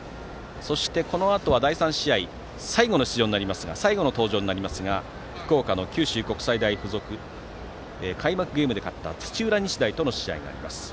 そして、このあとは第３試合最後の登場になりますが福岡の九州国際大付属と開幕ゲームで勝った土浦日大との試合があります。